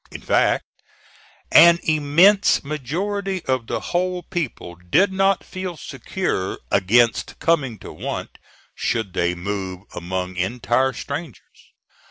In fact an immense majority of the whole people did not feel secure against coming to want should they move among entire strangers.